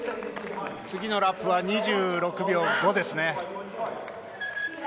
次のラップは２６秒５ですね。